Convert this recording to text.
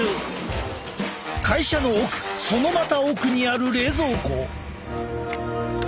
会社の奥そのまた奥にある冷蔵庫。